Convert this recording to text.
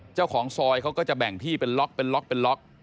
เจ้าของซอยเขาก็จะแบ่งที่เป็นล็อกเป็นล็อกเป็นล็อก